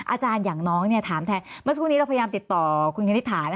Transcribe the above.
อย่างน้องถามแทนเมื่อสักครู่นี้เราพยายามติดต่อคุณคณิตถา